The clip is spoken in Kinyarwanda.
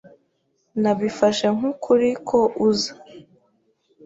Nabifashe nk'ukuri ko uza.